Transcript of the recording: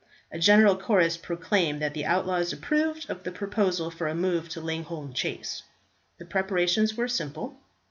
A general chorus proclaimed that the outlaws approved of the proposal for a move to Langholm Chase. The preparations were simple.